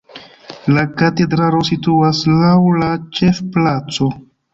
La katedralo situas laŭ la ĉefplaco.